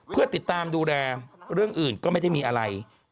เพื่อติดตามดูแลเรื่องอื่นก็ไม่ได้มีอะไร